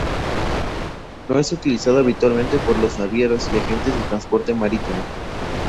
No es utilizado habitualmente por los navieros y agentes de transporte marítimo.